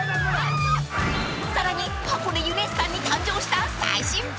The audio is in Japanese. ［さらに箱根ユネッサンに誕生した最新プールへ］